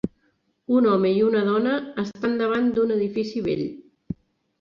Un home i una dona estan davant d"un edifici vell.